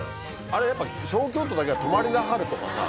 あれやっぱ小京都だけは「止まりなはれ」とかさ。